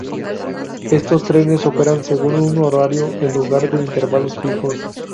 Estos trenes operan según un horario en lugar de intervalos fijos.